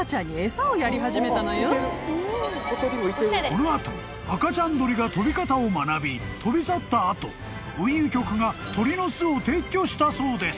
［この後赤ちゃん鳥が飛び方を学び飛び去った後運輸局が鳥の巣を撤去したそうです］